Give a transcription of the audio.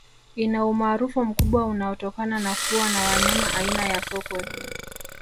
Ina umaarufu mkubwa unaotokana na kuwa na wanyama aina ya Sokwe